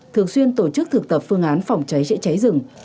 thường xuyên tổ chức thực tập phương án phòng cháy chữa cháy rừng